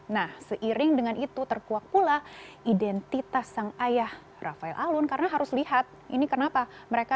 nah seiring dengan itu terkuak pula identitas sang ayah rafael alun karena harus lihat ini kenapa mereka